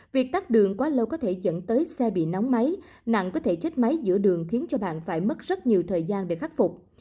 việc tắt đường quá lâu có thể dẫn tới xe bị nóng máy nặng có thể chết máy giữa đường khiến cho bạn phải mất rất nhiều thời gian để khắc phục